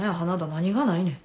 何がないねん？